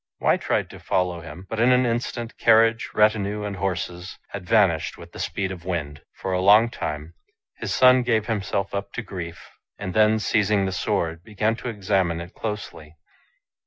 Wei tried to follow him ; but, in an instant, carriage, retinue, and horses, had vanished with the speed of wind. For a long time his son gave himself up to grief, and then seizing the sword began to examine it closely.